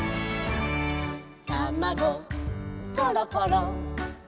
「たまごころころ」